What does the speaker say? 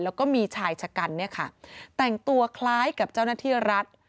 แล้วก็มีชายชะกันเนี่ยค่ะแต่งตัวคล้ายกับเจ้าหน้าที่รัฐ